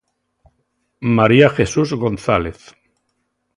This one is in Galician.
María Jesús González.